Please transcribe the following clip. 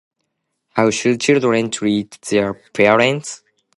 How should children treat their parents?